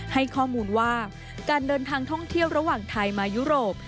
ให้ข้อมูลว่าการเดินทางท่องเที่ยวระหว่างไทยมายุโรป